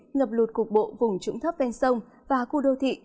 ngập lụt cục bộ vùng trũng thấp ven sông và khu đô thị